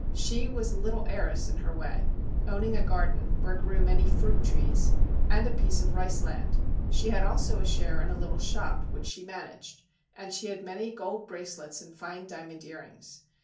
She was a little heiress in her way, owning a garden, where grew many fruit trees, and a piece of rice land. She had also a share in a little shop which she managed, and she had many gold bracelets and fine diamond earrings.